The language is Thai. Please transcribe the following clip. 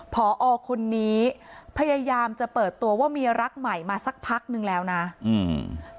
พอคนนี้พยายามจะเปิดตัวว่าเมียรักใหม่มาสักพักนึงแล้วนะอืม